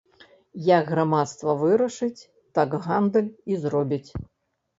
Як грамадства вырашыць, так гандаль і зробіць.